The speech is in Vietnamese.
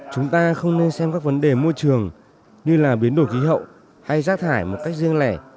chúng ta không nên xem các vấn đề môi trường như biến đổi khí hậu hay rác thải một cách riêng lẻ